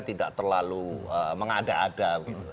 tidak terlalu mengada ada